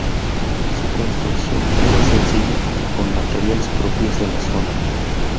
Su construcción era sencilla y con materiales propios de la zona.